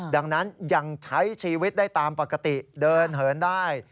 ดังนั้นยังใช้ชีวิตได้ตามปกติเดินเหินได้